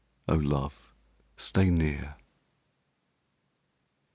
(O love, stay near!)